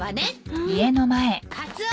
カツオ！